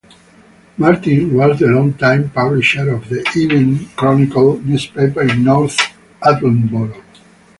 Martin was the longtime publisher of "The Evening Chronicle" newspaper in North Attleborough.